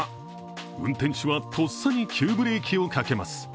運転手はとっさに急ブレーキをかけます。